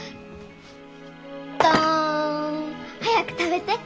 どん！早く食べて。